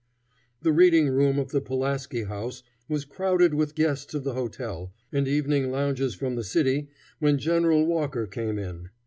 The reading room of the Pulaski House was crowded with guests of the hotel and evening loungers from the city, when General Walker came in.